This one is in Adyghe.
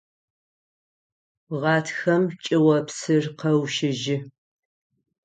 Гъатхэм чӏыопсыр къэущыжьы.